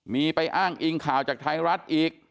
มีไปอ้างอิงข่าวจากไทยรัฐอีก